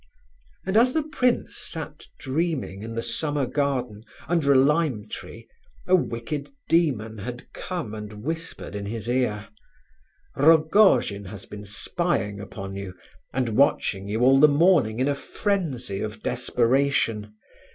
And as the prince sat dreaming in the Summer Garden under a lime tree, a wicked demon had come and whispered in his car: "Rogojin has been spying upon you and watching you all the morning in a frenzy of desperation.